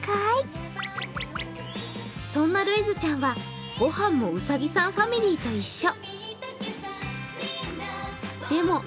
そんな、るいずちゃんはご飯もうさぎさんファミリーと一緒。